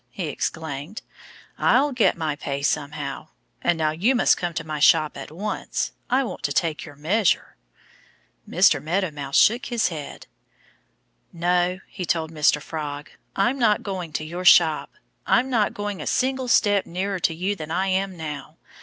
he exclaimed. "I'll get my pay somehow. And now you must come to my shop at once. I want to take your measure." Mr. Meadow Mouse shook his head. "No!" he told Mr. Frog. "I'm not going to your shop. I'm not going a single step nearer to you than I am now.